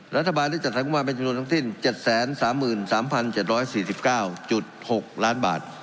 รัฐบาลได้จัดสรรงบประมาณเป็นจำนวนทั้งสิ้น๗๓๓๗๔๙๖ล้านบาท